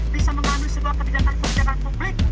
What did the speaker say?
bisa melalui sebuah kebijakan kebijakan publik